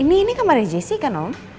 ini kamarnya jessy kan om